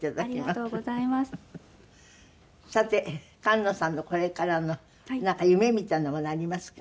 さて菅野さんのこれからのなんか夢みたいなものありますか？